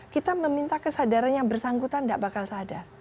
kita meminta kesadaran yang bersangkutan tidak bakal sadar